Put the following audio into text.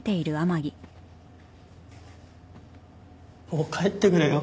もう帰ってくれよ。